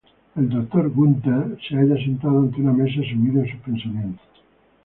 El Dr. Gunther se halla sentado ante una mesa, sumido en sus pensamientos.